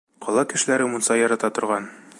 Ҡала кешеләре мунса ярата торған.